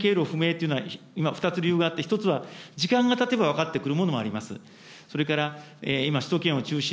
ちなみに、感染経路不明というのは、今、２つ理由があって、１つは時間がたてば分かってくるものもあります。